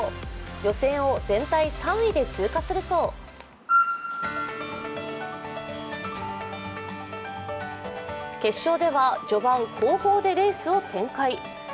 予選を全体３位で通過すると決勝では序盤、後方でレースを展開。